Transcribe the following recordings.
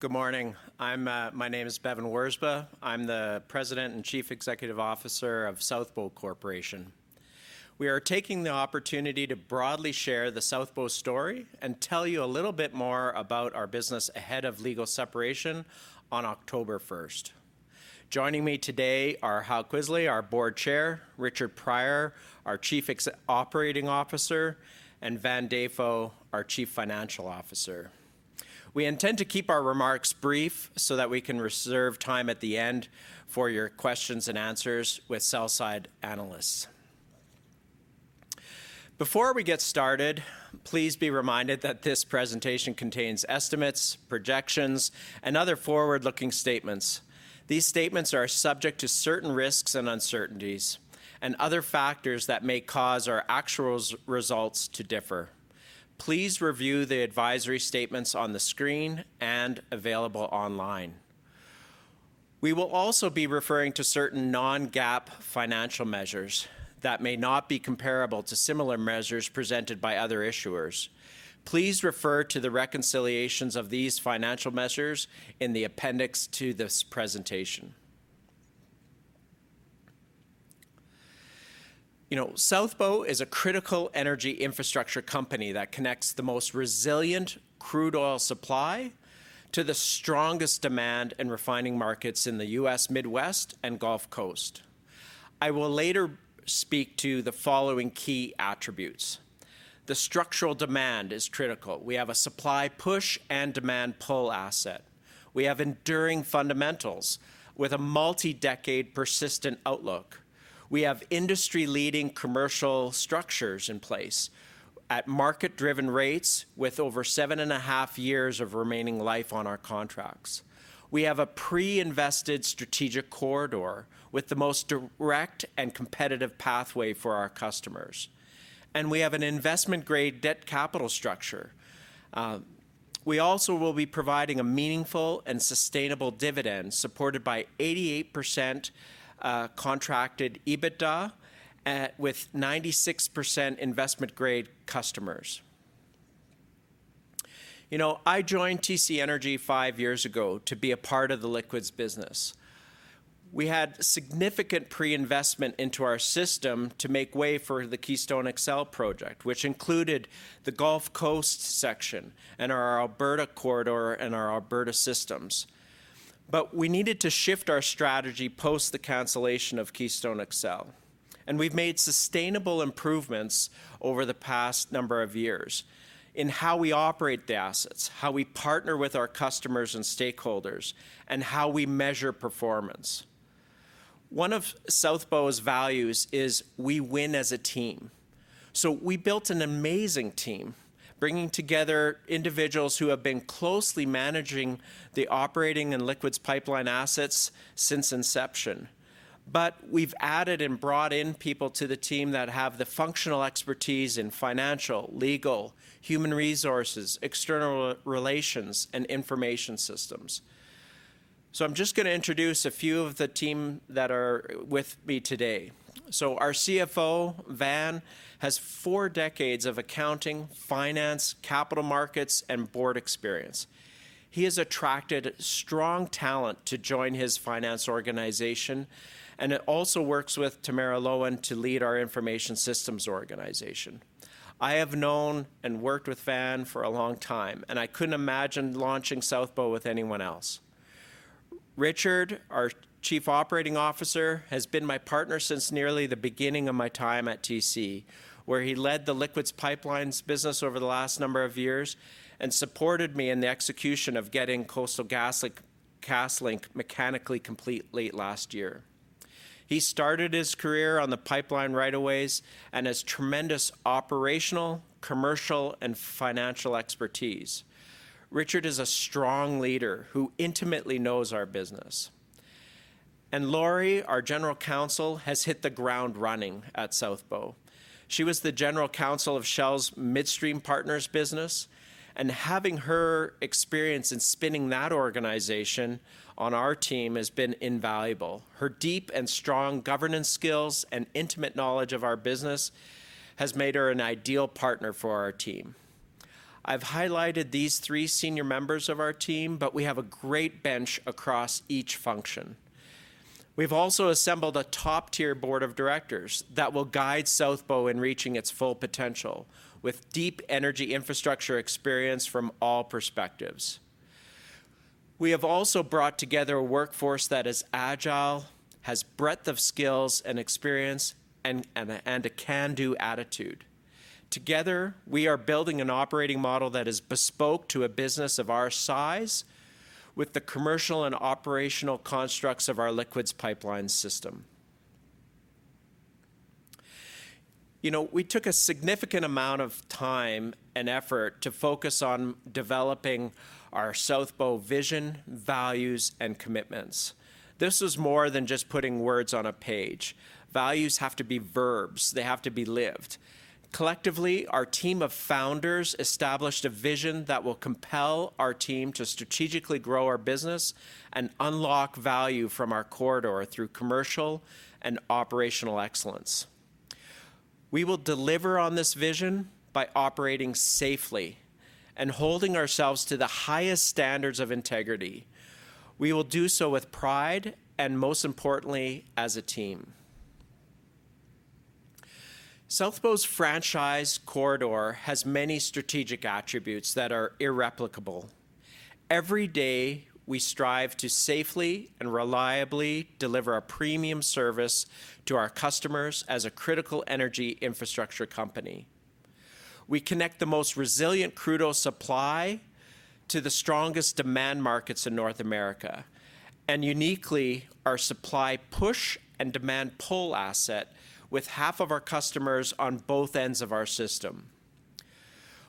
Good morning. I'm my name is Bevin Wirzba. I'm the President and Chief Executive Officer of South Bow Corporation. We are taking the opportunity to broadly share the South Bow story and tell you a little bit more about our business ahead of legal separation on October first. Joining me today are Hal Kvisle, our Board Chair, Richard Prior, our Chief Operating Officer, and Van Dafoe, our Chief Financial Officer. We intend to keep our remarks brief so that we can reserve time at the end for your questions and answers with sell-side analysts. Before we get started, please be reminded that this presentation contains estimates, projections, and other forward-looking statements. These statements are subject to certain risks and uncertainties and other factors that may cause our actual results to differ. Please review the advisory statements on the screen and available online. We will also be referring to certain non-GAAP financial measures that may not be comparable to similar measures presented by other issuers. Please refer to the reconciliations of these financial measures in the appendix to this presentation. You know, Southbow is a critical energy infrastructure company that connects the most resilient crude oil supply to the strongest demand in refining markets in the U.S. Midwest and Gulf Coast. I will later speak to the following key attributes. The structural demand is critical. We have a supply push and demand pull asset. We have enduring fundamentals with a multi-decade persistent outlook. We have industry-leading commercial structures in place at market-driven rates, with over seven and a half years of remaining life on our contracts. We have a pre-invested strategic corridor with the most direct and competitive pathway for our customers, and we have an investment-grade debt capital structure. We also will be providing a meaningful and sustainable dividend, supported by 88% contracted EBITDA, with 96% investment-grade customers. You know, I joined TC Energy five years ago to be a part of the liquids business. We had significant pre-investment into our system to make way for the Keystone XL project, which included the Gulf Coast section and our Alberta corridor and our Alberta systems. But we needed to shift our strategy post the cancellation of Keystone XL, and we've made sustainable improvements over the past number of years in how we operate the assets, how we partner with our customers and stakeholders, and how we measure performance. One of South Bow's values is we win as a team. So we built an amazing team, bringing together individuals who have been closely managing the operating and liquids pipeline assets since inception. But we've added and brought in people to the team that have the functional expertise in financial, legal, human resources, external relations, and information systems. So I'm just going to introduce a few of the team that are with me today. So our CFO, Van, has four decades of accounting, finance, capital markets, and board experience. He has attracted strong talent to join his finance organization, and he also works with Tamara Loewen to lead our information systems organization. I have known and worked with Van for a long time, and I couldn't imagine launching Southbow with anyone else. Richard, our Chief Operating Officer, has been my partner since nearly the beginning of my time at TC, where he led the liquids pipelines business over the last number of years and supported me in the execution of getting Coastal GasLink mechanically complete late last year. He started his career on the pipeline right of ways and has tremendous operational, commercial, and financial expertise. Richard is a strong leader who intimately knows our business. Lori, our General Counsel, has hit the ground running at Southbow. She was the General Counsel of Shell's Midstream Partners business, and having her experience in spinning that organization on our team has been invaluable. Her deep and strong governance skills and intimate knowledge of our business has made her an ideal partner for our team. I've highlighted these three senior members of our team, but we have a great bench across each function. We've also assembled a top-tier board of directors that will guide Southbow in reaching its full potential with deep energy infrastructure experience from all perspectives. We have also brought together a workforce that is agile, has breadth of skills and experience, and a can-do attitude. Together, we are building an operating model that is bespoke to a business of our size, with the commercial and operational constructs of our liquids pipeline system. You know, we took a significant amount of time and effort to focus on developing our Southbow vision, values, and commitments. This is more than just putting words on a page. Values have to be verbs. They have to be lived. Collectively, our team of founders established a vision that will compel our team to strategically grow our business and unlock value from our corridor through commercial and operational excellence. We will deliver on this vision by operating safely and holding ourselves to the highest standards of integrity. We will do so with pride, and most importantly, as a team. Southbow's franchise corridor has many strategic attributes that are irreplicable. Every day, we strive to safely and reliably deliver a premium service to our customers as a critical energy infrastructure company. We connect the most resilient crude oil supply to the strongest demand markets in North America, and uniquely, our supply push and demand pull asset, with half of our customers on both ends of our system.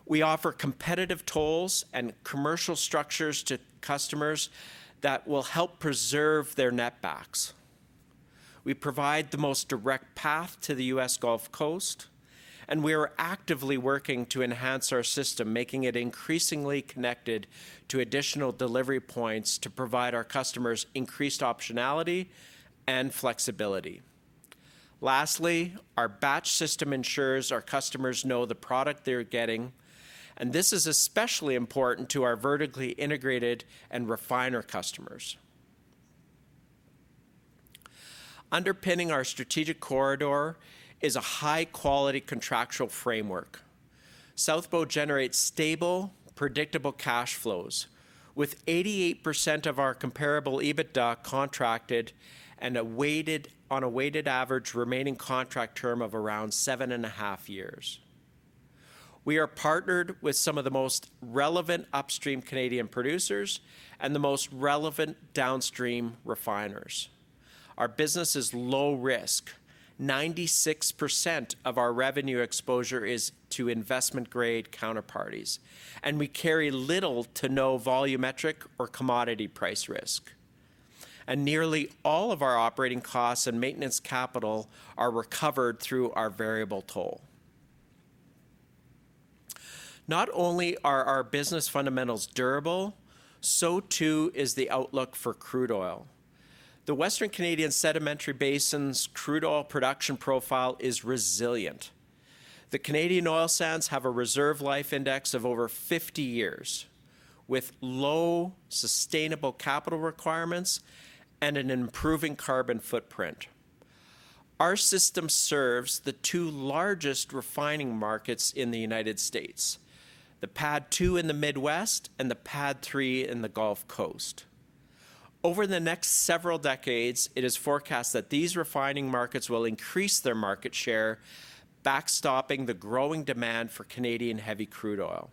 We offer competitive tolls and commercial structures to customers that will help preserve their netbacks. We provide the most direct path to the U.S. Gulf Coast, and we are actively working to enhance our system, making it increasingly connected to additional delivery points to provide our customers increased optionality and flexibility. Lastly, our batch system ensures our customers know the product they're getting, and this is especially important to our vertically integrated and refiner customers. Underpinning our strategic corridor is a high-quality contractual framework. Southbow generates stable, predictable cash flows, with 88% of our comparable EBITDA contracted and a weighted average remaining contract term of around seven and a half years. We are partnered with some of the most relevant upstream Canadian producers and the most relevant downstream refiners. Our business is low risk. 96% of our revenue exposure is to investment-grade counterparties, and we carry little to no volumetric or commodity price risk, and nearly all of our operating costs and maintenance capital are recovered through our variable toll. Not only are our business fundamentals durable, so too is the outlook for crude oil. The Western Canadian Sedimentary Basin's crude oil production profile is resilient. The Canadian oil sands have a reserve life index of over 50 years, with low sustainable capital requirements and an improving carbon footprint. Our system serves the two largest refining markets in the United States: the PADD 2 in the Midwest and the PADD 3 in the Gulf Coast. Over the next several decades, it is forecast that these refining markets will increase their market share, backstopping the growing demand for Canadian heavy crude oil.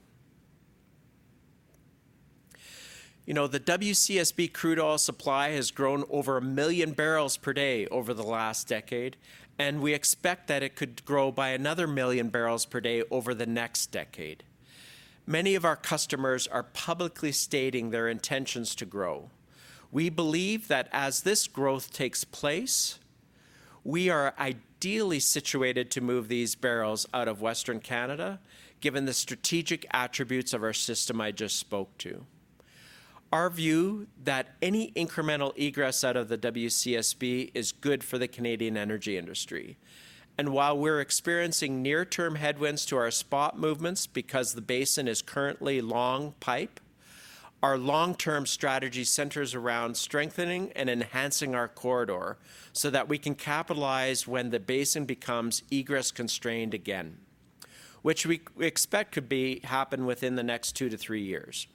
You know, the WCSB crude oil supply has grown over a million barrels per day over the last decade, and we expect that it could grow by another million barrels per day over the next decade. Many of our customers are publicly stating their intentions to grow. We believe that as this growth takes place, we are ideally situated to move these barrels out of Western Canada, given the strategic attributes of our system I just spoke to. Our view, that any incremental egress out of the WCSB is good for the Canadian energy industry. While we're experiencing near-term headwinds to our spot movements because the basin is currently long pipe, our long-term strategy centers around strengthening and enhancing our corridor so that we can capitalize when the basin becomes egress-constrained again, which we expect could happen within the next two to three years.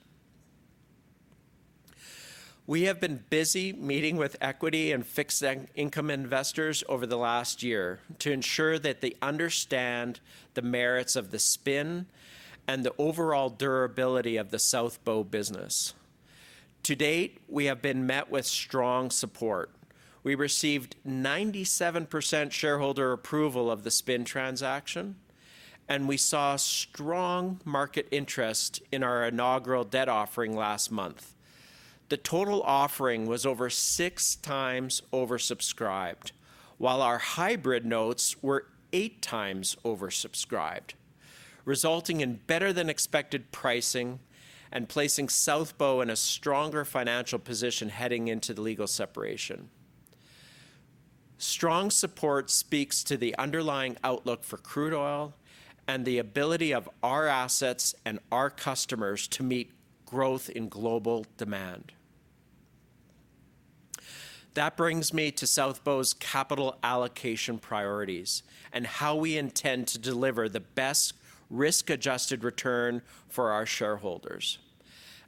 We have been busy meeting with equity and fixed income investors over the last year to ensure that they understand the merits of the spin and the overall durability of the Southbow business. To date, we have been met with strong support. We received 97% shareholder approval of the spin transaction, and we saw strong market interest in our inaugural debt offering last month. The total offering was over six times oversubscribed, while our hybrid notes were eight times oversubscribed, resulting in better-than-expected pricing and placing Southbow in a stronger financial position heading into the legal separation. Strong support speaks to the underlying outlook for crude oil and the ability of our assets and our customers to meet growth in global demand. That brings me to Southbow's capital allocation priorities and how we intend to deliver the best risk-adjusted return for our shareholders.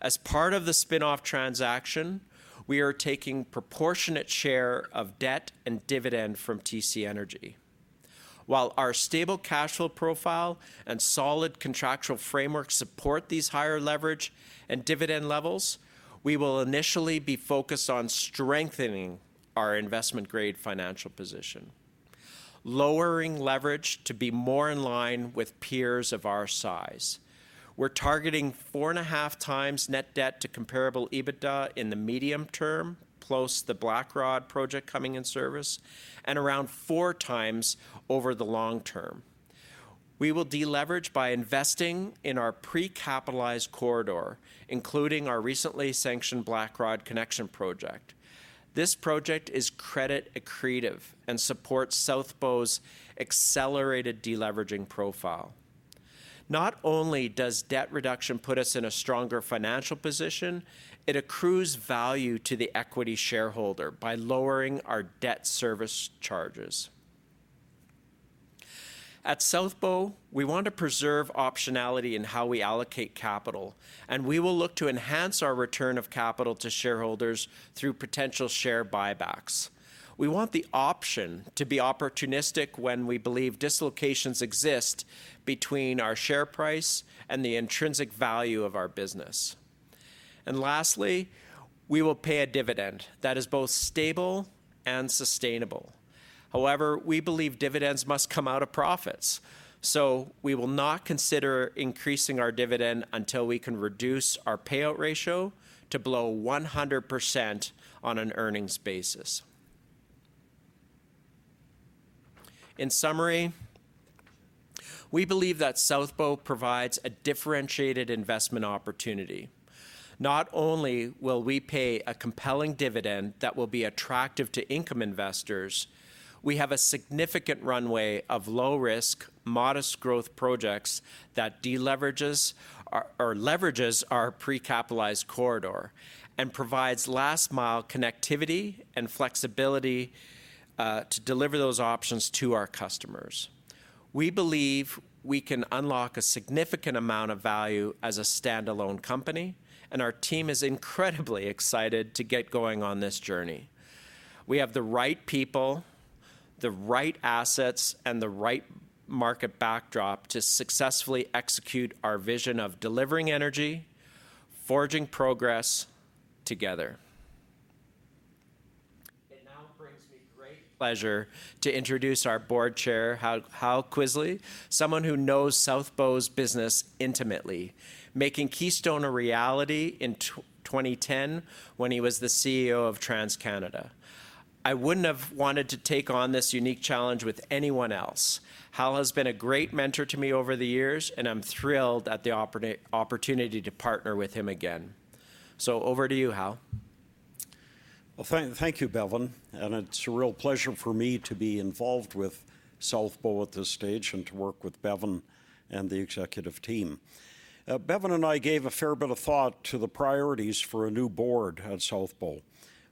As part of the spin-off transaction, we are taking proportionate share of debt and dividend from TC Energy. While our stable cash flow profile and solid contractual framework support these higher leverage and dividend levels, we will initially be focused on strengthening our investment-grade financial position, lowering leverage to be more in line with peers of our size. We're targeting four and a half times net debt to comparable EBITDA in the medium term, plus the Blackrod Project coming in service, and around four times over the long term. We will deleverage by investing in our pre-capitalized corridor, including our recently sanctioned Blackrod Connection project. This project is credit accretive and supports Southbow's accelerated deleveraging profile. Not only does debt reduction put us in a stronger financial position, it accrues value to the equity shareholder by lowering our debt service charges. At Southbow, we want to preserve optionality in how we allocate capital, and we will look to enhance our return of capital to shareholders through potential share buybacks. We want the option to be opportunistic when we believe dislocations exist between our share price and the intrinsic value of our business. And lastly, we will pay a dividend that is both stable and sustainable. However, we believe dividends must come out of profits, so we will not consider increasing our dividend until we can reduce our payout ratio to below 100% on an earnings basis. In summary, we believe that Southbow provides a differentiated investment opportunity. Not only will we pay a compelling dividend that will be attractive to income investors, we have a significant runway of low-risk, modest-growth projects that deleverages our-- or leverages our pre-capitalized corridor and provides last-mile connectivity and flexibility to deliver those options to our customers. We believe we can unlock a significant amount of value as a standalone company, and our team is incredibly excited to get going on this journey. We have the right people, the right assets, and the right market backdrop to successfully execute our vision of delivering energy, forging progress together. It now brings me great pleasure to introduce our board chair, Hal, Hal Kvisle, someone who knows Southbow's business intimately, making Keystone a reality in twenty ten when he was the CEO of TransCanada. I wouldn't have wanted to take on this unique challenge with anyone else. Hal has been a great mentor to me over the years, and I'm thrilled at the opportunity to partner with him again. So over to you, Hal. Thank you, Bevin, and it's a real pleasure for me to be involved with Southbow at this stage and to work with Bevin and the executive team. Bevin and I gave a fair bit of thought to the priorities for a new board at Southbow.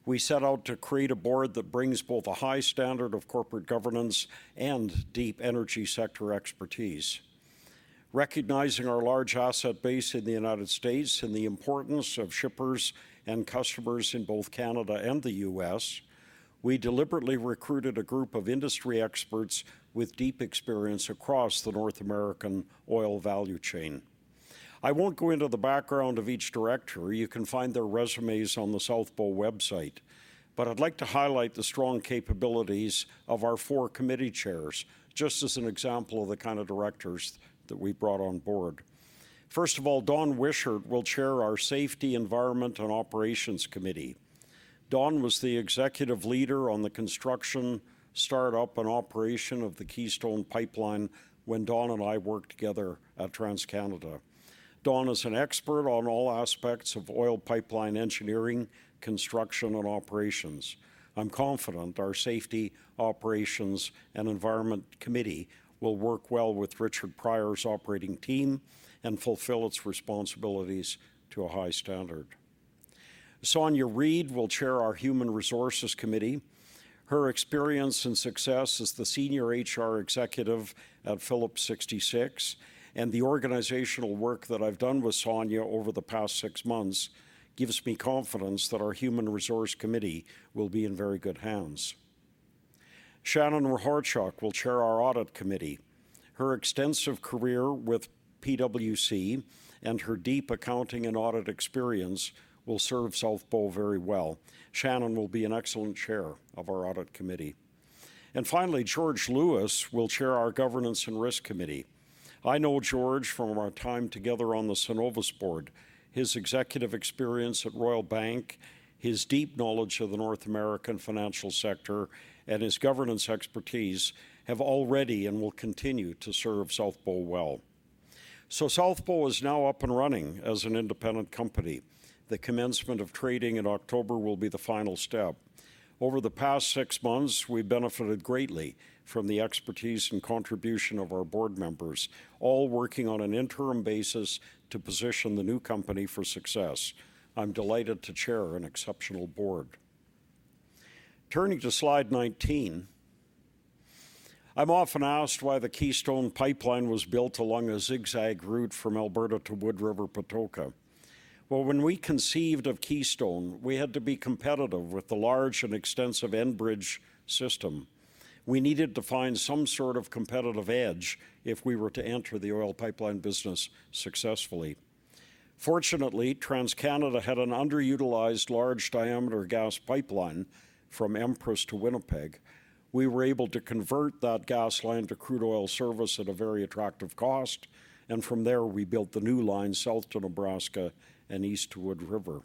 We set out to create a board that brings both a high standard of corporate governance and deep energy sector expertise. Recognizing our large asset base in the United States and the importance of shippers and customers in both Canada and the U.S., we deliberately recruited a group of industry experts with deep experience across the North American oil value chain. I won't go into the background of each director. You can find their resumes on the Southbow website, but I'd like to highlight the strong capabilities of our four committee chairs, just as an example of the kind of directors that we brought on board. First of all, Don Wishart will chair our Safety, Environment, and Operations Committee. Don was the executive leader on the construction, startup, and operation of the Keystone Pipeline when Don and I worked together at TransCanada. Don is an expert on all aspects of oil pipeline engineering, construction, and operations. I'm confident our Safety, Operations, and Environment Committee will work well with Richard Prior's operating team and fulfill its responsibilities to a high standard. Sonja Read will chair our Human Resources Committee. Her experience and success as the senior HR executive at Phillips 66, and the organizational work that I've done with Sonja over the past six months, gives me confidence that our Human Resource Committee will be in very good hands. Shannon Ryhorchuk will chair our Audit Committee. Her extensive career with PwC and her deep accounting and audit experience will serve Southbow very well. Shannon will be an excellent chair of our Audit Committee. And finally, George Lewis will chair our Governance and Risk Committee. I know George from our time together on the Cenovus board. His executive experience at Royal Bank, his deep knowledge of the North American financial sector, and his governance expertise have already and will continue to serve Southbow well. So Southbow is now up and running as an independent company. The commencement of trading in October will be the final step. Over the past six months, we've benefited greatly from the expertise and contribution of our board members, all working on an interim basis to position the new company for success. I'm delighted to chair an exceptional board. Turning to slide 19, I'm often asked why the Keystone Pipeline was built along a zigzag route from Alberta to Wood River, Patoka. When we conceived of Keystone, we had to be competitive with the large and extensive Enbridge system. We needed to find some sort of competitive edge if we were to enter the oil pipeline business successfully. Fortunately, TransCanada had an underutilized, large-diameter gas pipeline from Empress to Winnipeg. We were able to convert that gas line to crude oil service at a very attractive cost, and from there, we built the new line south to Nebraska and east to Wood River....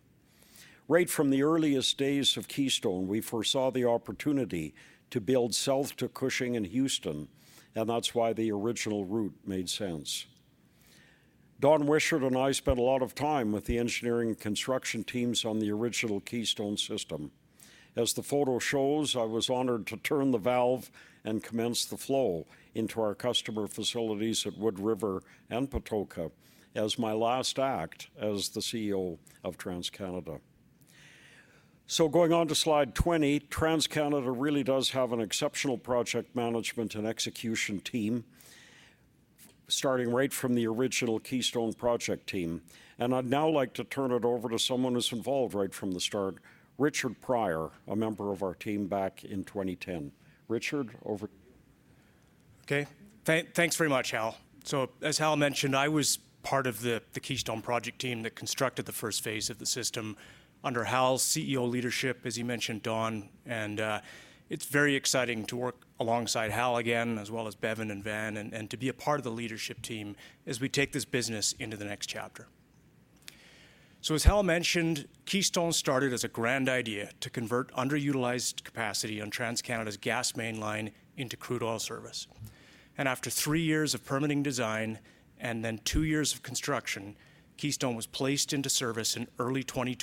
Right from the earliest days of Keystone, we foresaw the opportunity to build south to Cushing in Houston, and that's why the original route made sense. Don Wishart and I spent a lot of time with the engineering and construction teams on the original Keystone system. As the photo shows, I was honored to turn the valve and commence the flow into our customer facilities at Wood River and Patoka as my last act as the CEO of TransCanada. So going on to slide 20, TransCanada really does have an exceptional project management and execution team, starting right from the original Keystone project team. And I'd now like to turn it over to someone who's involved right from the start, Richard Prior, a member of our team back in 2010. Richard, over to you. Okay. Thanks very much, Hal. So, as Hal mentioned, I was part of the Keystone project team that constructed the first phase of the system under Hal's CEO leadership, as he mentioned, Don. And it's very exciting to work alongside Hal again, as well as Bevin and Van, and to be a part of the leadership team as we take this business into the next chapter. So, as Hal mentioned, Keystone started as a grand idea to convert underutilized capacity on TransCanada's gas mainline into crude oil service. And after three years of permitting design and then two years of construction, Keystone was placed into service in early twenty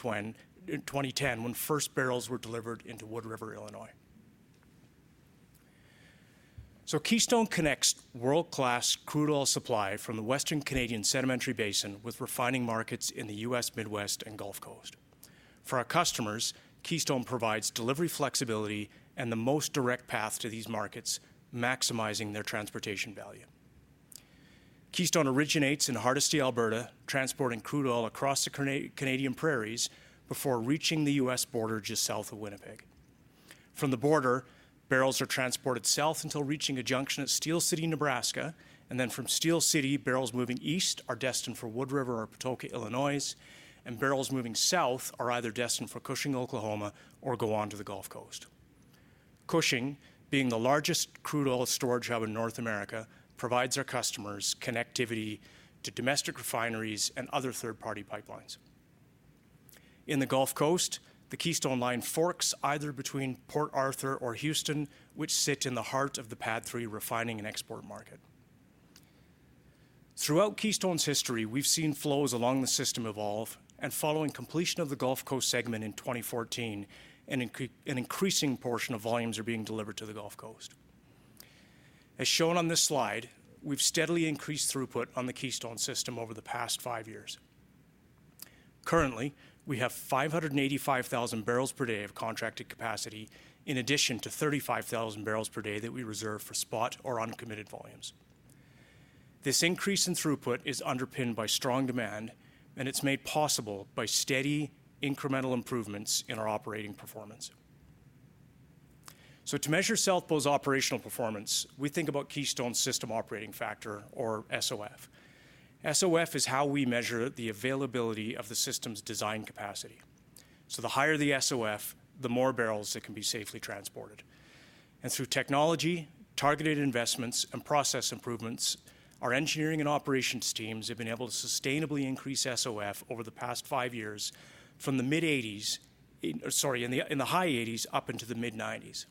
ten, when first barrels were delivered into Wood River, Illinois. So Keystone connects world-class crude oil supply from the Western Canadian Sedimentary Basin with refining markets in the U.S. Midwest and Gulf Coast. For our customers, Keystone provides delivery flexibility and the most direct path to these markets, maximizing their transportation value. Keystone originates in Hardisty, Alberta, transporting crude oil across the Canadian prairies before reaching the U.S. border just south of Winnipeg. From the border, barrels are transported south until reaching a junction at Steele City, Nebraska, and then from Steele City, barrels moving east are destined for Wood River or Patoka, Illinois, and barrels moving south are either destined for Cushing, Oklahoma, or go on to the Gulf Coast. Cushing, being the largest crude oil storage hub in North America, provides our customers connectivity to domestic refineries and other third-party pipelines. In the Gulf Coast, the Keystone line forks either between Port Arthur or Houston, which sit in the heart of the PADD 3 refining and export market. Throughout Keystone's history, we've seen flows along the system evolve, and following completion of the Gulf Coast segment in twenty fourteen, an increasing portion of volumes are being delivered to the Gulf Coast. As shown on this slide, we've steadily increased throughput on the Keystone system over the past five years. Currently, we have five hundred and eighty-five thousand barrels per day of contracted capacity, in addition to thirty-five thousand barrels per day that we reserve for spot or uncommitted volumes. This increase in throughput is underpinned by strong demand, and it's made possible by steady, incremental improvements in our operating performance. So to measure South Bow's operational performance, we think about Keystone's system operating factor, or SOF. SOF is how we measure the availability of the system's design capacity. So the higher the SOF, the more barrels that can be safely transported. Through technology, targeted investments, and process improvements, our engineering and operations teams have been able to sustainably increase SOF over the past five years from the high eighties up into the mid-nineties.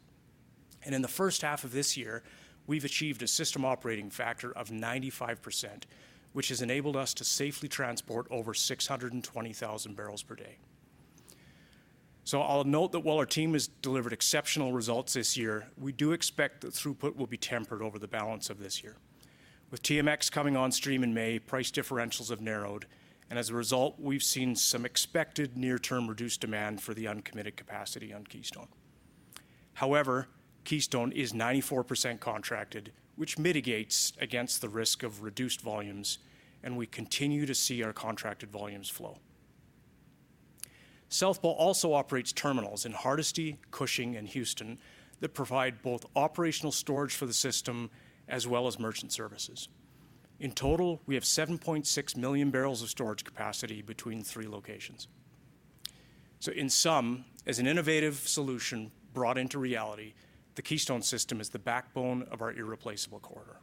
In the first half of this year, we've achieved a system operating factor of 95%, which has enabled us to safely transport over 620,000 barrels per day. I'll note that while our team has delivered exceptional results this year, we do expect that throughput will be tempered over the balance of this year. With TMX coming on stream in May, price differentials have narrowed, and as a result, we've seen some expected near-term reduced demand for the uncommitted capacity on Keystone. However, Keystone is 94% contracted, which mitigates against the risk of reduced volumes, and we continue to see our contracted volumes flow. South Bow also operates terminals in Hardisty, Cushing, and Houston that provide both operational storage for the system as well as merchant services. In total, we have 7.6 million barrels of storage capacity between three locations. So in sum, as an innovative solution brought into reality, the Keystone system is the backbone of our irreplaceable corridor.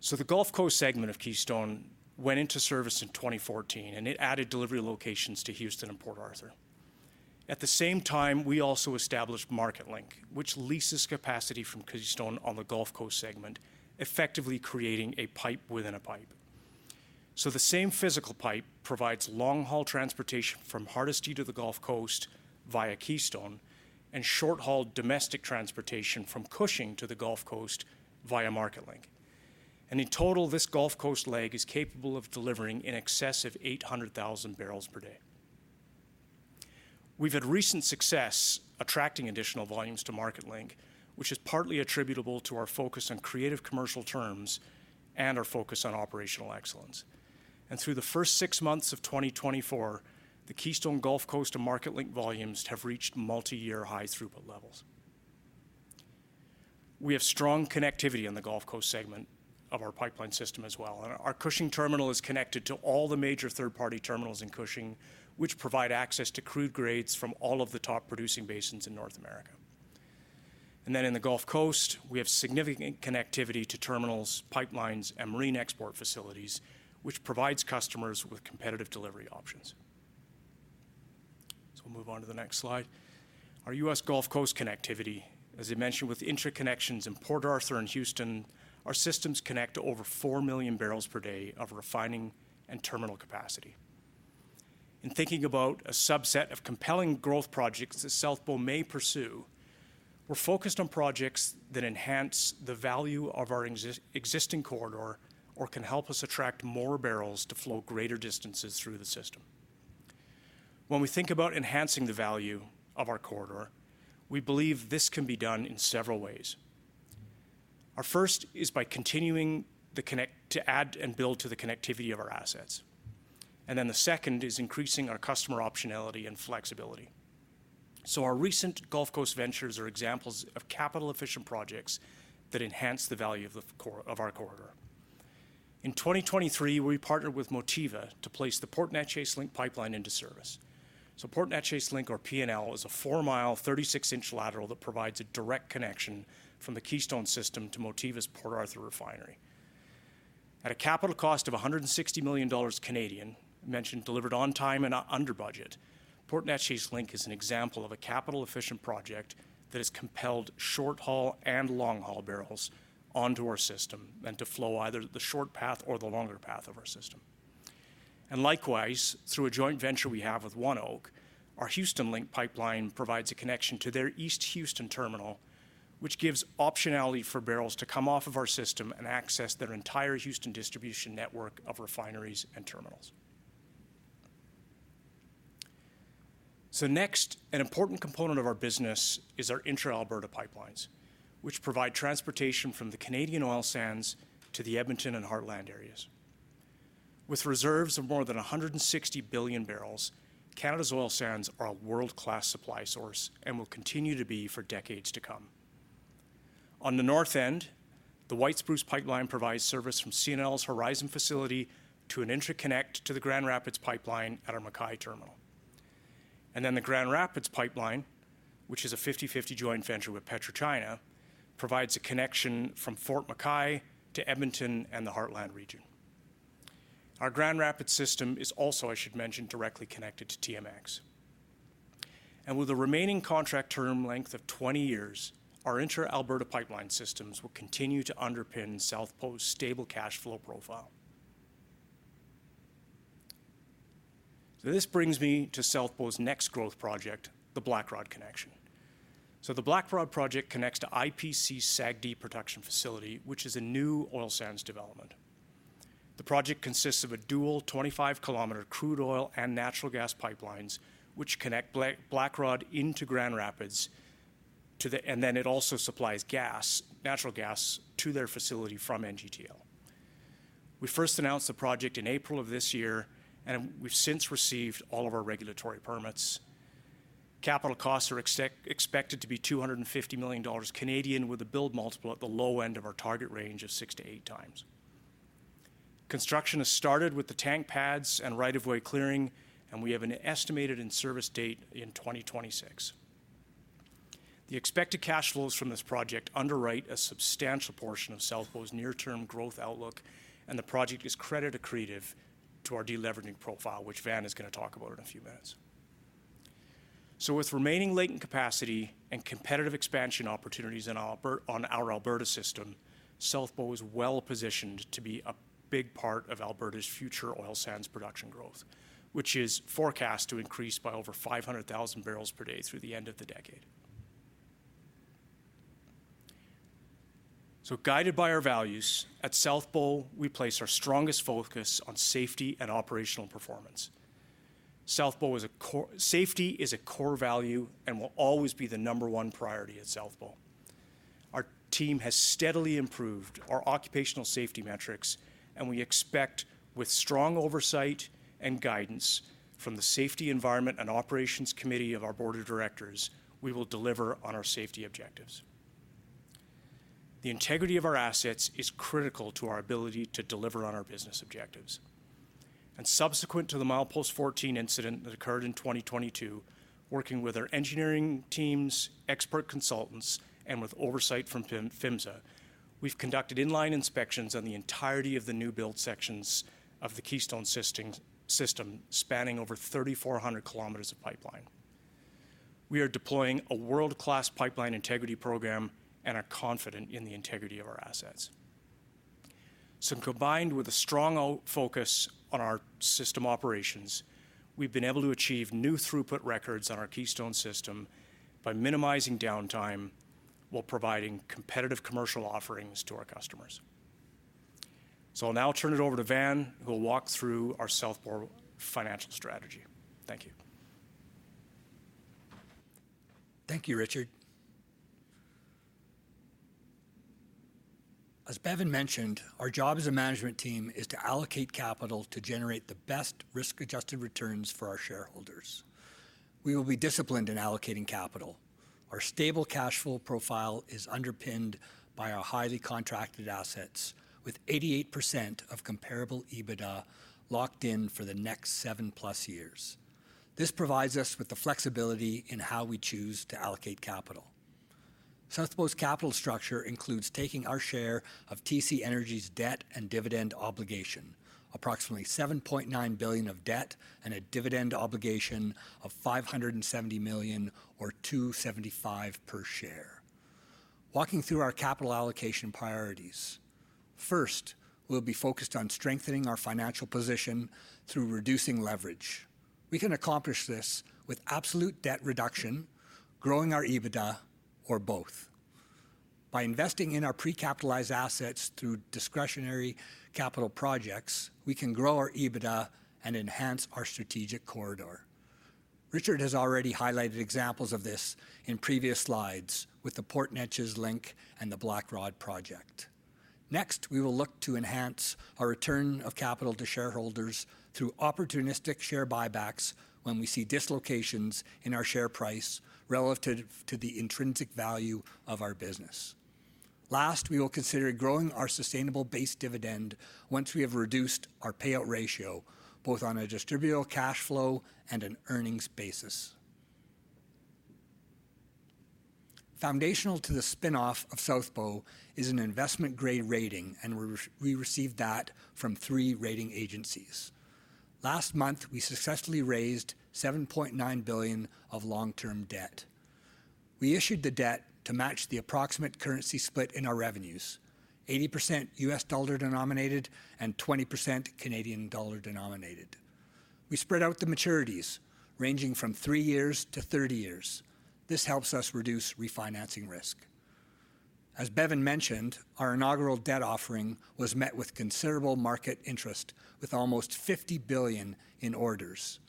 So the Gulf Coast segment of Keystone went into service in 2014, and it added delivery locations to Houston and Port Arthur. At the same time, we also established Marketlink, which leases capacity from Keystone on the Gulf Coast segment, effectively creating a pipe within a pipe. So the same physical pipe provides long-haul transportation from Hardisty to the Gulf Coast via Keystone and short-haul domestic transportation from Cushing to the Gulf Coast via Marketlink. And in total, this Gulf Coast leg is capable of delivering in excess of 800,000 barrels per day. We've had recent success attracting additional volumes to Marketlink, which is partly attributable to our focus on creative commercial terms and our focus on operational excellence. And through the first six months of 2024, the Keystone Gulf Coast and MarketLink volumes have reached multiyear high throughput levels. We have strong connectivity on the Gulf Coast segment of our pipeline system as well, and our Cushing terminal is connected to all the major third-party terminals in Cushing, which provide access to crude grades from all of the top-producing basins in North America. And then in the Gulf Coast, we have significant connectivity to terminals, pipelines, and marine export facilities, which provides customers with competitive delivery options. So we'll move on to the next slide. Our U.S. Gulf Coast connectivity, as I mentioned, with interconnections in Port Arthur and Houston. Our systems connect to over four million barrels per day of refining and terminal capacity. In thinking about a subset of compelling growth projects that Southbow may pursue, we're focused on projects that enhance the value of our existing corridor or can help us attract more barrels to flow greater distances through the system. When we think about enhancing the value of our corridor, we believe this can be done in several ways. Our first is by continuing to add and build to the connectivity of our assets, and then the second is increasing our customer optionality and flexibility. Our recent Gulf Coast ventures are examples of capital-efficient projects that enhance the value of our corridor. In 2023, we partnered with Motiva to place the Port Neches Link pipeline into service. Port Neches Link, or PNL, is a 4-mile, 36-inch lateral that provides a direct connection from the Keystone system to Motiva's Port Arthur refinery. At a capital cost of 160 million Canadian dollars, it was delivered on time and under budget. Port Neches Link is an example of a capital-efficient project that has compelled short-haul and long-haul barrels onto our system and to flow either the short path or the longer path of our system. Likewise, through a joint venture we have with ONEOK, our Houston Link pipeline provides a connection to their East Houston terminal, which gives optionality for barrels to come off of our system and access their entire Houston distribution network of refineries and terminals. Next, an important component of our business is our intra-Alberta pipelines, which provide transportation from the Canadian oil sands to the Edmonton and Heartland areas. With reserves of more than a hundred and sixty billion barrels, Canada's oil sands are a world-class supply source and will continue to be for decades to come. On the north end, the White Spruce Pipeline provides service from CNRL's Horizon facility to an interconnect to the Grand Rapids Pipeline at our Fort Mackay terminal. Then the Grand Rapids Pipeline, which is a fifty-fifty joint venture with PetroChina, provides a connection from Fort Mackay to Edmonton and the Heartland region. Our Grand Rapids system is also, I should mention, directly connected to TMX. And with a remaining contract term length of twenty years, our intra-Alberta pipeline systems will continue to underpin Southbow's stable cash flow profile. So this brings me to Southbow's next growth project, the Blackrod Connection. So the Blackrod project connects to IPC's SAGD production facility, which is a new oil sands development. The project consists of a dual 25 km crude oil and natural gas pipelines, which connect Blackrod into Grand Rapids, and then it also supplies natural gas to their facility from NGTL. We first announced the project in April of this year, and we've since received all of our regulatory permits. Capital costs are expected to be 250 million Canadian dollars, with a build multiple at the low end of our target range of six to eight times. Construction has started with the tank pads and right-of-way clearing, and we have an estimated in-service date in 2026. The expected cash flows from this project underwrite a substantial portion of Southbow's near-term growth outlook, and the project is credit accretive to our deleveraging profile, which Van is going to talk about in a few minutes. With remaining latent capacity and competitive expansion opportunities on our Alberta system, Southbow is well-positioned to be a big part of Alberta's future oil sands production growth, which is forecast to increase by over 500,000 barrels per day through the end of the decade. Guided by our values, at Southbow, we place our strongest focus on safety and operational performance. Safety is a core value and will always be the number one priority at Southbow. Our team has steadily improved our occupational safety metrics, and we expect, with strong oversight and guidance from the Safety, Environment, and Operations Committee of our board of directors, we will deliver on our safety objectives. The integrity of our assets is critical to our ability to deliver on our business objectives and subsequent to the Milepost 14 incident that occurred in 2022, working with our engineering teams, expert consultants, and with oversight from PHMSA, we've conducted in-line inspections on the entirety of the new build sections of the Keystone System, spanning over 3,400 km of pipeline. We are deploying a world-class pipeline integrity program and are confident in the integrity of our assets. Combined with a strong focus on our system operations, we've been able to achieve new throughput records on our Keystone system by minimizing downtime while providing competitive commercial offerings to our customers. I'll now turn it over to Van, who will walk through our Southbow financial strategy. Thank you. Thank you, Richard. As Bevin mentioned, our job as a management team is to allocate capital to generate the best risk-adjusted returns for our shareholders. We will be disciplined in allocating capital. Our stable cash flow profile is underpinned by our highly contracted assets, with 88% of comparable EBITDA locked in for the next seven-plus years. This provides us with the flexibility in how we choose to allocate capital. Southbow's capital structure includes taking our share of TC Energy's debt and dividend obligation, approximately 7.9 billion of debt and a dividend obligation of 570 million, or 2.75 per share. Walking through our capital allocation priorities, first, we'll be focused on strengthening our financial position through reducing leverage. We can accomplish this with absolute debt reduction, growing our EBITDA, or both. By investing in our pre-capitalized assets through discretionary capital projects, we can grow our EBITDA and enhance our strategic corridor. Richard has already highlighted examples of this in previous slides with the Port Neches Link and the Blackrod project. Next, we will look to enhance our return of capital to shareholders through opportunistic share buybacks when we see dislocations in our share price relative to the intrinsic value of our business. Last, we will consider growing our sustainable base dividend once we have reduced our payout ratio, both on a distributable cash flow and an earnings basis. Foundational to the spin-off of Southbow is an investment-grade rating, and we received that from three rating agencies. Last month, we successfully raised 7.9 billion of long-term debt. We issued the debt to match the approximate currency split in our revenues: 80% U.S. dollar-denominated and 20% Canadian dollar-denominated. We spread out the maturities, ranging from 3 years to 30 years. This helps us reduce refinancing risk. As Bevin mentioned, our inaugural debt offering was met with considerable market interest, with almost 50 billion in orders.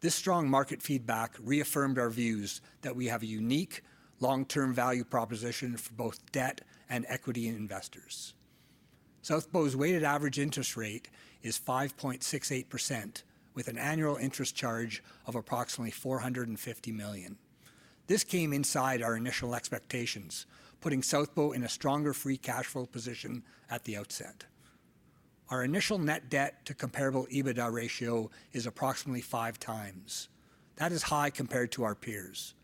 This strong market feedback reaffirmed our views that we have a unique long-term value proposition for both debt and equity investors. Southbow's weighted average interest rate is 5.68%, with an annual interest charge of approximately 450 million. This came inside our initial expectations, putting Southbow in a stronger free cash flow position at the outset. Our initial net debt to comparable EBITDA ratio is approximately 5 times. That is high compared to our peers.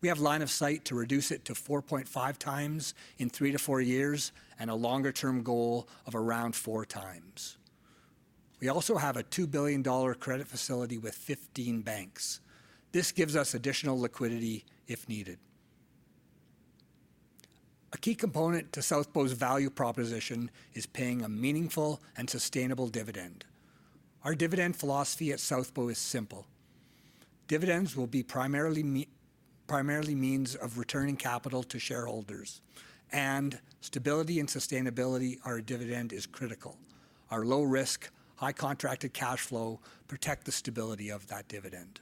We have line of sight to reduce it to 4.5 times in 3-4 years and a longer-term goal of around 4 times. We also have a $2 billion credit facility with 15 banks. This gives us additional liquidity if needed. A key component to Southbow's value proposition is paying a meaningful and sustainable dividend. Our dividend philosophy at Southbow is simple. Dividends will be primarily means of returning capital to shareholders, and stability and sustainability of our dividend is critical. Our low risk, high contracted cash flow protect the stability of that dividend.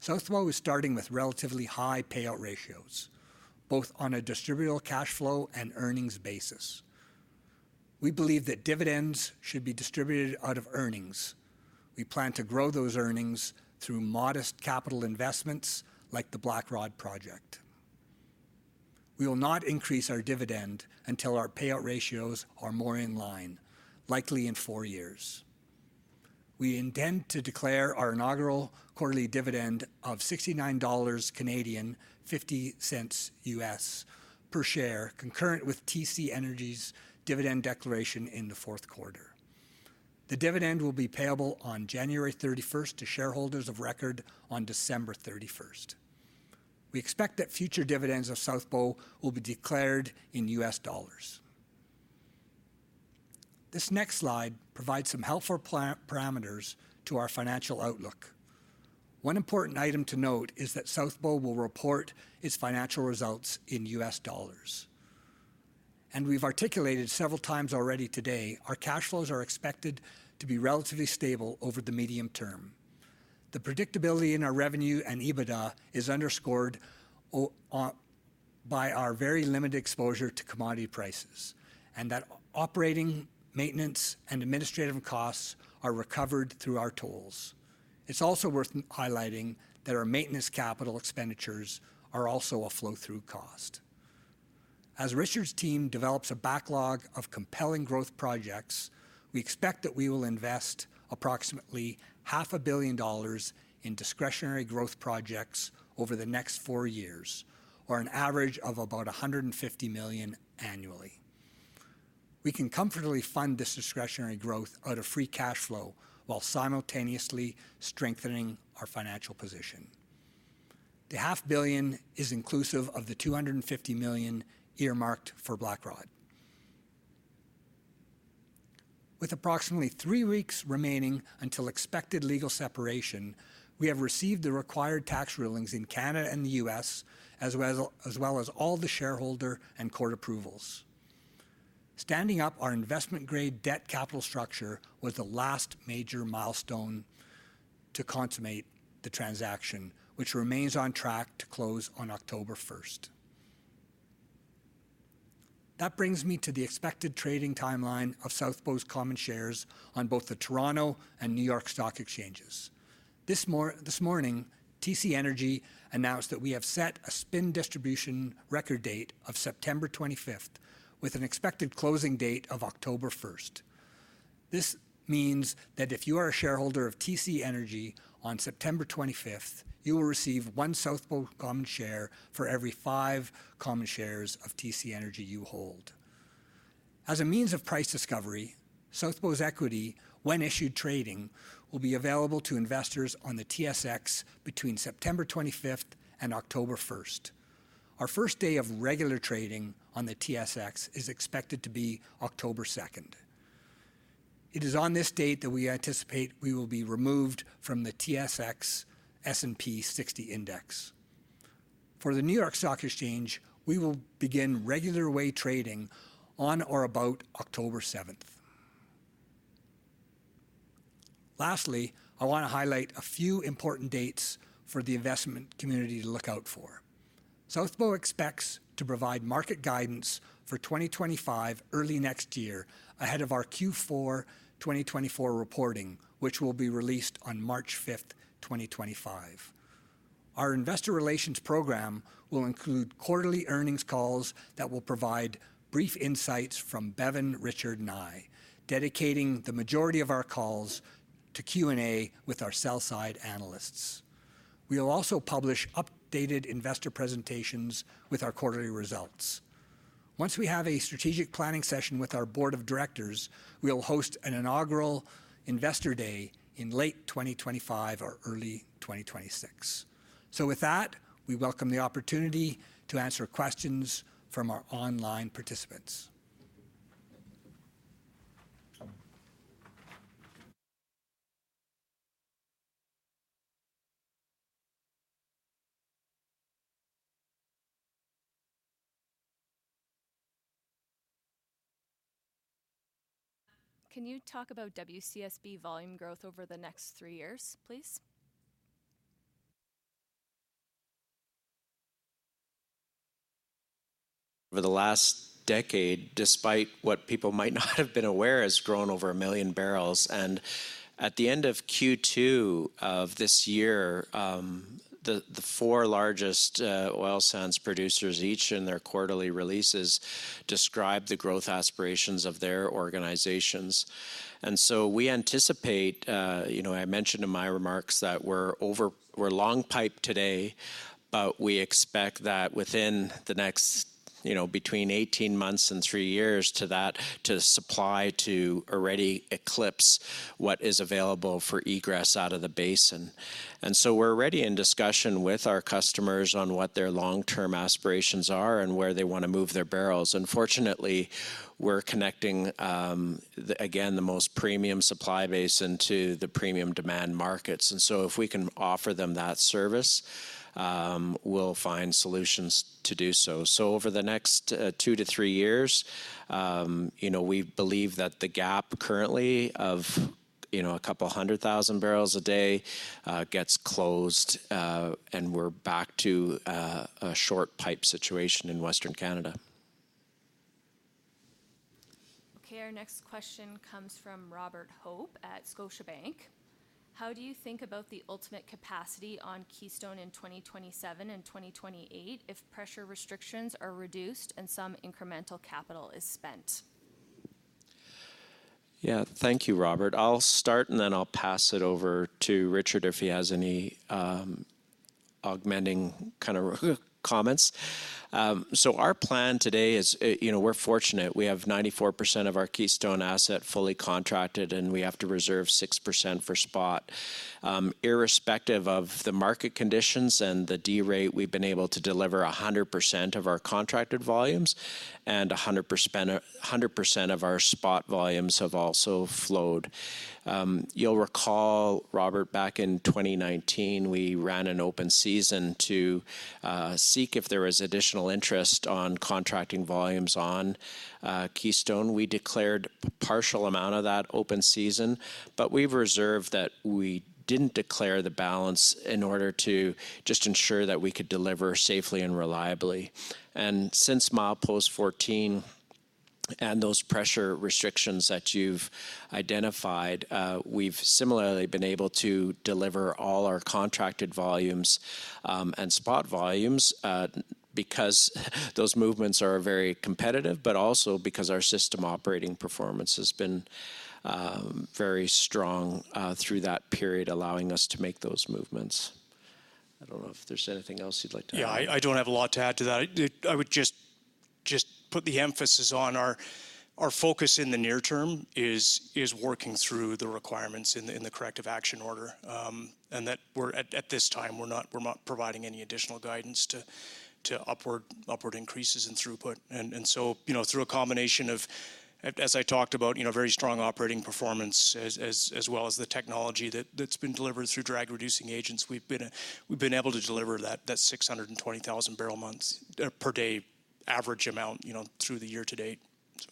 Southbow is starting with relatively high payout ratios, both on a distributable cash flow and earnings basis. We believe that dividends should be distributed out of earnings. We plan to grow those earnings through modest capital investments like the Blackrod project. We will not increase our dividend until our payout ratios are more in line, likely in four years. We intend to declare our inaugural quarterly dividend of 69 Canadian dollars, $0.50 per share, concurrent with TC Energy's dividend declaration in the fourth quarter. The dividend will be payable on January thirty-first to shareholders of record on December thirty-first. We expect that future dividends of Southbow will be declared in U.S. dollars. This next slide provides some helpful parameters to our financial outlook. One important item to note is that Southbow will report its financial results in U.S. dollars. We've articulated several times already today, our cash flows are expected to be relatively stable over the medium term. The predictability in our revenue and EBITDA is underscored by our very limited exposure to commodity prices, and that operating, maintenance, and administrative costs are recovered through our tolls. It's also worth highlighting that our maintenance capital expenditures are also a flow-through cost. As Richard's team develops a backlog of compelling growth projects, we expect that we will invest approximately $500 million in discretionary growth projects over the next four years, or an average of about $150 million annually. We can comfortably fund this discretionary growth out of free cash flow while simultaneously strengthening our financial position. The $500 million is inclusive of the $250 million earmarked for Blackrod. With approximately three weeks remaining until expected legal separation, we have received the required tax rulings in Canada and the U.S., as well as all the shareholder and court approvals. Standing up our investment-grade debt capital structure was the last major milestone to consummate the transaction, which remains on track to close on October first. That brings me to the expected trading timeline of Southbow's common shares on both the Toronto and New York Stock Exchanges. This morning-... TC Energy announced that we have set a spinoff distribution record date of September twenty-fifth, with an expected closing date of October first. This means that if you are a shareholder of TC Energy on September twenty-fifth, you will receive one Southbow common share for every five common shares of TC Energy you hold. As a means of price discovery, Southbow's equity, when issued trading, will be available to investors on the TSX between September twenty-fifth and October first. Our first day of regular trading on the TSX is expected to be October second. It is on this date that we anticipate we will be removed from the S&P/TSX 60 index. For the New York Stock Exchange, we will begin regular way trading on or about October seventh. Lastly, I want to highlight a few important dates for the investment community to look out for. Southbow expects to provide market guidance for twenty twenty-five early next year, ahead of our Q4 twenty twenty-four reporting, which will be released on March fifth, twenty twenty-five. Our investor relations program will include quarterly earnings calls that will provide brief insights from Bevin, Richard, and I, dedicating the majority of our calls to Q&A with our sell-side analysts. We will also publish updated investor presentations with our quarterly results. Once we have a strategic planning session with our board of directors, we will host an inaugural investor day in late twenty twenty-five or early twenty twenty-six. So with that, we welcome the opportunity to answer questions from our online participants. Can you talk about WCSB volume growth over the next three years, please? Over the last decade, despite what people might not have been aware, has grown over a million barrels. At the end of Q2 of this year, the four largest oil sands producers, each in their quarterly releases, described the growth aspirations of their organizations. So we anticipate. You know, I mentioned in my remarks that we're long pipe today, but we expect that within the next, you know, between eighteen months and three years to that, supply will already eclipse what is available for egress out of the basin. We're already in discussion with our customers on what their long-term aspirations are and where they want to move their barrels. Fortunately, we're connecting again the most premium supply basin to the premium demand markets. And so if we can offer them that service, we'll find solutions to do so. So over the next two to three years, you know, we believe that the gap currently of, you know, a couple hundred thousand barrels a day gets closed, and we're back to a short pipe situation in Western Canada. Okay, our next question comes from Robert Hope at Scotiabank: How do you think about the ultimate capacity on Keystone in 2027 and 2028 if pressure restrictions are reduced and some incremental capital is spent? Yeah. Thank you, Robert. I'll start, and then I'll pass it over to Richard, if he has any augmenting kind of comments. So our plan today is, you know, we're fortunate. We have 94% of our Keystone asset fully contracted, and we have to reserve 6% for spot. Irrespective of the market conditions and the D rate, we've been able to deliver 100% of our contracted volumes, and 100% of our spot volumes have also flowed. You'll recall, Robert, back in 2019, we ran an open season to seek if there was additional interest on contracting volumes on Keystone. We declared partial amount of that open season, but we've reserved that we didn't declare the balance in order to just ensure that we could deliver safely and reliably. Since milepost 14, and those pressure restrictions that you've identified, we've similarly been able to deliver all our contracted volumes, and spot volumes, because those movements are very competitive, but also because our system operating performance has been very strong through that period, allowing us to make those movements. I don't know if there's anything else you'd like to add. Yeah, I don't have a lot to add to that. I would just put the emphasis on our focus in the near term is working through the requirements in the corrective action order, and that we're at this time, we're not providing any additional guidance to upward increases in throughput. And so, you know, through a combination of, as I talked about, you know, very strong operating performance as well as the technology that's been delivered through drag reducing agents, we've been able to deliver that 620,000 barrels per day average amount, you know, through the year to date. So...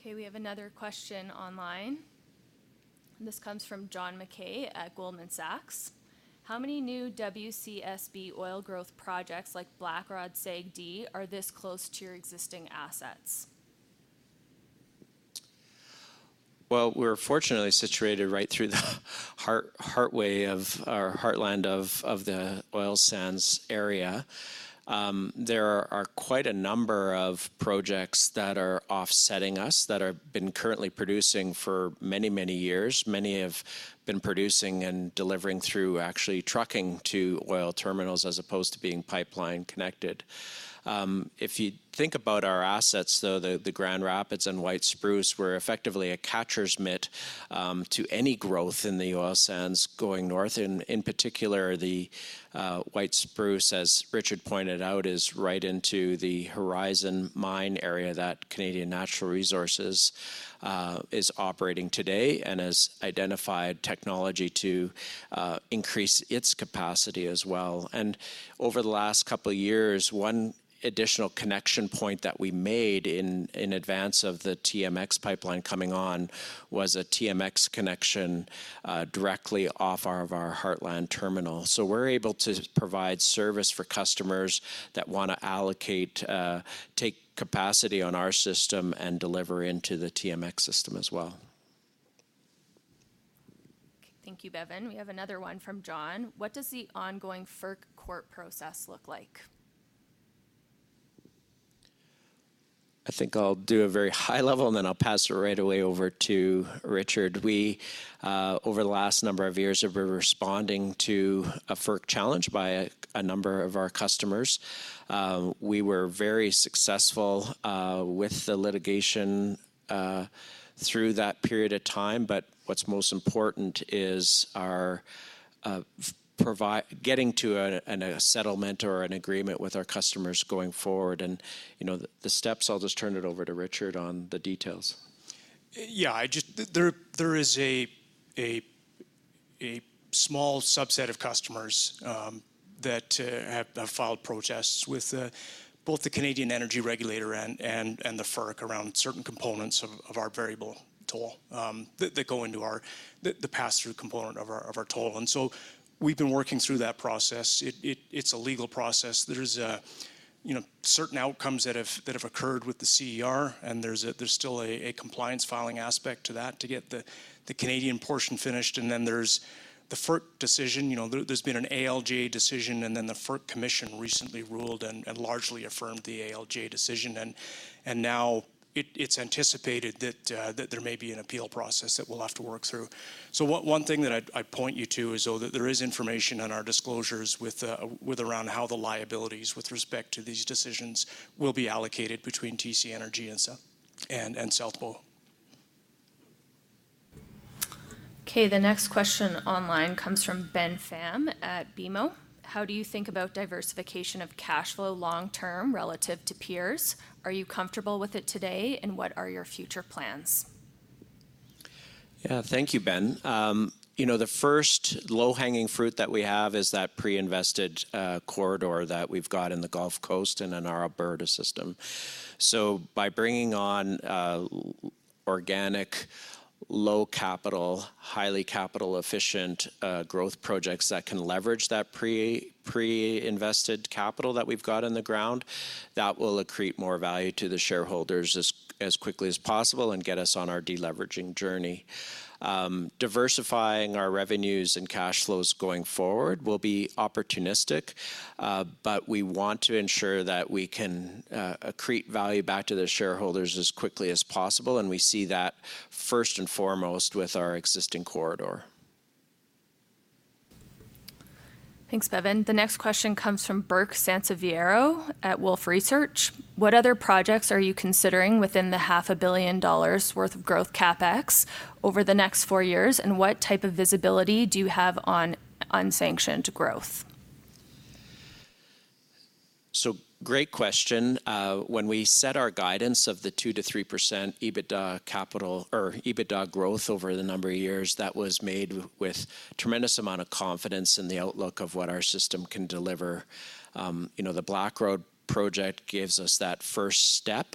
Okay, we have another question online. This comes from John Mackay at Goldman Sachs. How many new WCSB oil growth projects, like Blackrod SAGD, are this close to your existing assets? We're fortunately situated right through the heartland of the oil sands area. There are quite a number of projects that are offsetting us that have been currently producing for many, many years. Many have been producing and delivering through actually trucking to oil terminals, as opposed to being pipeline connected. If you think about our assets, though, the Grand Rapids and White Spruce were effectively a catcher's mitt to any growth in the oil sands going north. And in particular, the White Spruce, as Richard pointed out, is right into the Horizon mine area that Canadian Natural Resources is operating today, and has identified technology to increase its capacity as well. Over the last couple years, one additional connection point that we made in advance of the TMX pipeline coming on was a TMX connection directly off our Heartland terminal, so we're able to provide service for customers that wanna allocate take capacity on our system and deliver into the TMX system as well. Thank you, Bevin. We have another one from John: What does the ongoing FERC court process look like? I think I'll do a very high level, and then I'll pass it right away over to Richard. We over the last number of years have been responding to a FERC challenge by a number of our customers. We were very successful with the litigation through that period of time, but what's most important is our getting to a settlement or an agreement with our customers going forward. And, you know, the steps, I'll just turn it over to Richard on the details. Yeah, I just... There is a small subset of customers that have filed protests with both the Canada Energy Regulator and the FERC around certain components of our variable toll that go into the pass-through component of our toll. And so we've been working through that process. It's a legal process. There's you know, certain outcomes that have occurred with the CER, and there's still a compliance filing aspect to that to get the Canadian portion finished. And then there's the FERC decision. You know, there's been an ALJ decision, and then the FERC Commission recently ruled and largely affirmed the ALJ decision. Now it's anticipated that there may be an appeal process that we'll have to work through. One thing that I'd point you to is, though, that there is information on our disclosures regarding how the liabilities with respect to these decisions will be allocated between TC Energy and South Bow. Okay, the next question online comes from Ben Pham at BMO: How do you think about diversification of cash flow long term relative to peers? Are you comfortable with it today, and what are your future plans? Yeah, thank you, Ben. You know, the first low-hanging fruit that we have is that pre-invested corridor that we've got in the Gulf Coast and in our Alberta system. So by bringing on organic, low capital, highly capital-efficient growth projects that can leverage that pre-invested capital that we've got in the ground, that will accrete more value to the shareholders as quickly as possible and get us on our de-leveraging journey. Diversifying our revenues and cash flows going forward will be opportunistic, but we want to ensure that we can accrete value back to the shareholders as quickly as possible, and we see that first and foremost with our existing corridor. Thanks, Bevin. The next question comes from Burke Sanseviero at Wolfe Research: What other projects are you considering within the $500 million worth of growth CapEx over the next four years, and what type of visibility do you have on unsanctioned growth? Great question. When we set our guidance of the 2-3% EBITDA growth over the number of years, that was made with tremendous amount of confidence in the outlook of what our system can deliver. You know, the Blackrod project gives us that first step,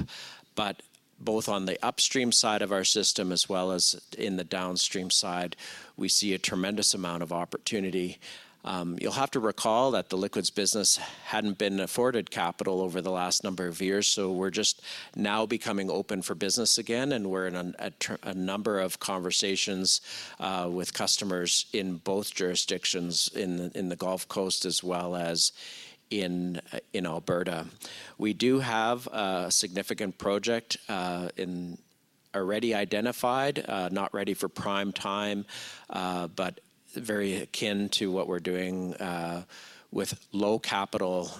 but both on the upstream side of our system, as well as in the downstream side, we see a tremendous amount of opportunity. You'll have to recall that the liquids business hadn't been afforded capital over the last number of years, so we're just now becoming open for business again, and we're in a number of conversations with customers in both jurisdictions, in the Gulf Coast, as well as in Alberta. We do have a significant project in... already identified, not ready for prime time, but very akin to what we're doing, with low capital,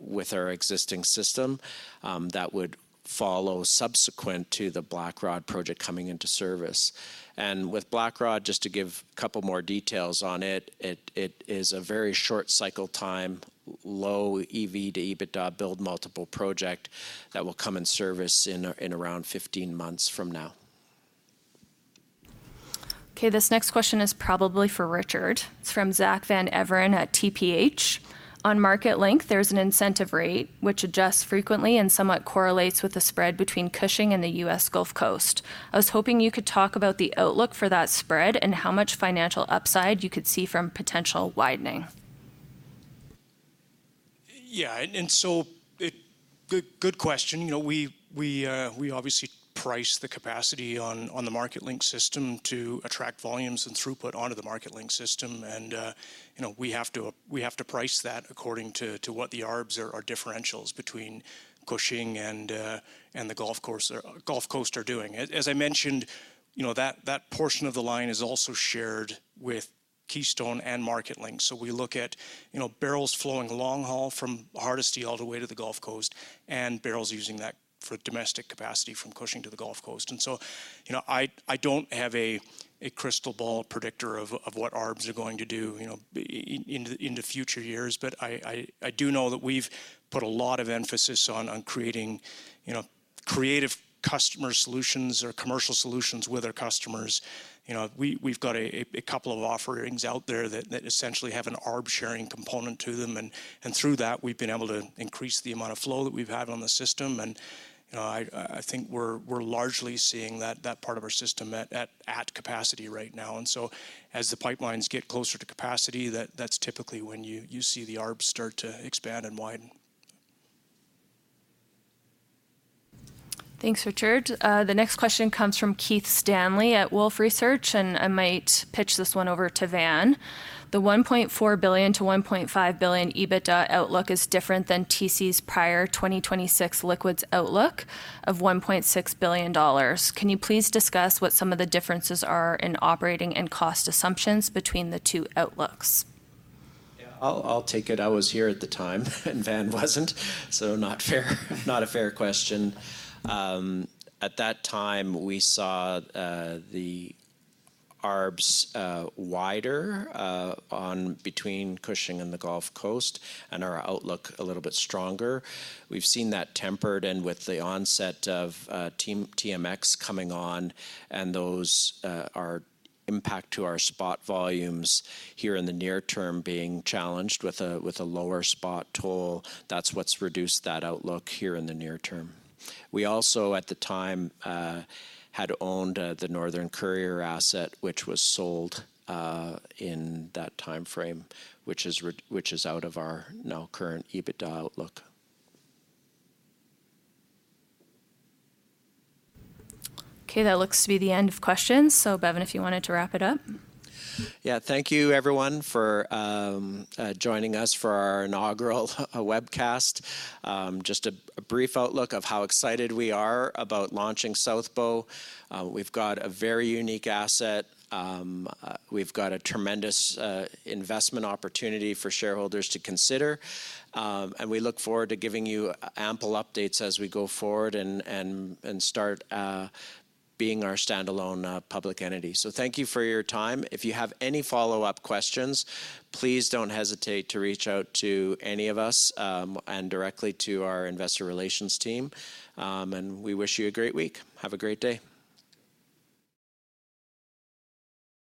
with our existing system, that would follow subsequent to the Blackrod project coming into service. With Blackrod, just to give a couple more details on it, it is a very short cycle time, low EV to EBITDA build multiple project that will come in service in around 15 months from now. Okay, this next question is probably for Richard. It's from Zack Van Everen at TPH. On MarketLink, there's an incentive rate which adjusts frequently and somewhat correlates with the spread between Cushing and the U.S. Gulf Coast. I was hoping you could talk about the outlook for that spread and how much financial upside you could see from potential widening. Yeah, and so, good question. You know, we obviously price the capacity on the MarketLink system to attract volumes and throughput onto the MarketLink system. And, you know, we have to price that according to what the arbs or differentials between Cushing and the Gulf Coast are doing. As I mentioned, you know, that portion of the line is also shared with Keystone and MarketLink. So we look at, you know, barrels flowing long haul from Hardisty all the way to the Gulf Coast, and barrels using that for domestic capacity from Cushing to the Gulf Coast. And so, you know, I don't have a crystal ball predictor of what arbs are going to do, you know, into future years. But I do know that we've put a lot of emphasis on creating, you know, creative customer solutions or commercial solutions with our customers. You know, we've got a couple of offerings out there that essentially have an arb-sharing component to them, and through that, we've been able to increase the amount of flow that we've had on the system. And, you know, I think we're largely seeing that part of our system at capacity right now. And so, as the pipelines get closer to capacity, that's typically when you see the arbs start to expand and widen. Thanks, Richard. The next question comes from Keith Stanley at Wolfe Research, and I might pitch this one over to Van. The $1.4 billion-$1.5 billion EBITDA outlook is different than TC's prior 2026 liquids outlook of $1.6 billion. Can you please discuss what some of the differences are in operating and cost assumptions between the two outlooks? Yeah, I'll take it. I was here at the time and Van wasn't, so not fair, not a fair question. At that time, we saw the arbs wider between Cushing and the Gulf Coast, and our outlook a little bit stronger. We've seen that tempered, and with the onset of TMX coming on, and their impact to our spot volumes here in the near term being challenged with a lower spot toll. That's what's reduced that outlook here in the near term. We also at the time had owned the Northern Courier asset, which was sold in that timeframe, which is out of our current EBITDA outlook. Okay, that looks to be the end of questions. So Bevin, if you wanted to wrap it up? Yeah. Thank you, everyone, for joining us for our inaugural webcast. Just a brief outlook of how excited we are about launching Southbow. We've got a very unique asset. We've got a tremendous investment opportunity for shareholders to consider. And we look forward to giving you ample updates as we go forward and start being our standalone public entity. So thank you for your time. If you have any follow-up questions, please don't hesitate to reach out to any of us and directly to our investor relations team. And we wish you a great week. Have a great day!